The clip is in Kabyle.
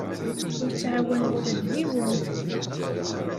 Ur ttɛawaneɣ ula d yiwen.